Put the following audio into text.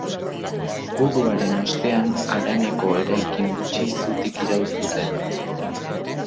Guduaren ostean haraneko eraikin gutxik zutik iraun zuten.